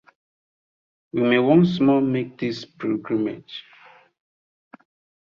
May we once more make this pilgrimage!